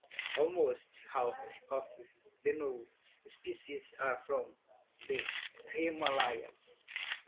Almost half of the known species are from the Himalayas.